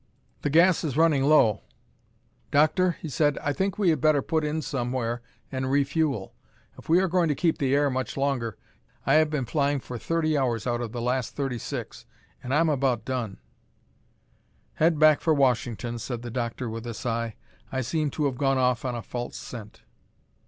"The gas is running low. Doctor," he said. "I think we had better put in somewhere and refuel. If we are going to keep the air much longer, you had better get a relief pilot. I have been flying for thirty hours out of the last thirty six and I'm about done." "Head back for Washington," said the doctor with a sigh. "I seem to have gone off on a false scent."